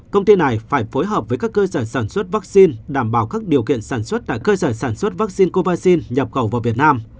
công ty này phải phối hợp với các cơ sở sản xuất vaccine đảm bảo các điều kiện sản xuất tại cơ sở sản xuất vaccine covid nhập khẩu vào việt nam